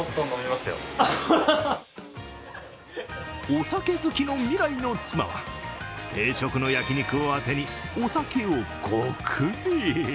お酒好きの未来の妻は定食の焼き肉をアテにお酒をゴクリ。